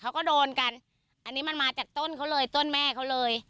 เขาก็โดนกันอันนี้มันมาจากต้นเขาเลยต้นแม่เขาเลย